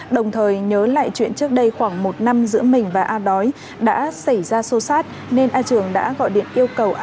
đồng thời nhớ lại chuyện trước đây khoảng một năm giữa mình và a đói đã xảy ra sâu sát nên a trường đã gọi điện yêu cầu a đói đến nhà để giải quyết mâu thuẫn